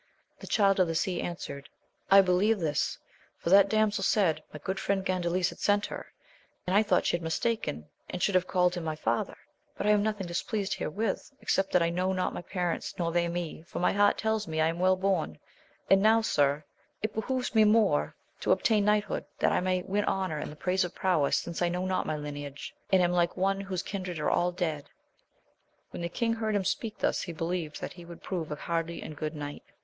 The Child of the Sea answered, I believe this, for that damsel said, my good friend Gandales had sent her, and I thought she had mistaken, and should have called him my father ; but I am nothing displeased herewith, except that I know not my parents, nor they me, for my heart tells me I am weJJ born ; and now, Sir, it \i^\iON^«» \Skfe tcl^x^ 30 AMADIS OF GAUL. to obtain knighthood, that I may win honour and the praise of prowess, since I know not my lineage, and am like one whose kindred are all dead. When the king heard him speak thus, he believed that he would prove a hardy and good knight.